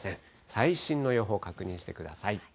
最新の予報、確認してください。